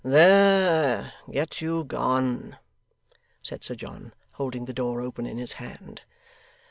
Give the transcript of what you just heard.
'There get you gone,' said Sir John, holding the door open in his hand.